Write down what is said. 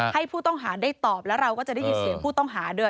ให้ผู้ต้องหาได้ตอบแล้วเราก็จะได้ยินเสียงผู้ต้องหาด้วย